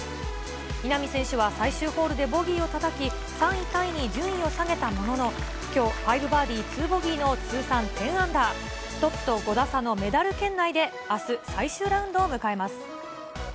稲見選手は最終ホールでボギーをたたき、３位タイに順位を下げたものの、きょう、５バーディー２ボギーの通算１０アンダー、トップと５打差のメダル圏内であす、最終ラウンドを迎えます。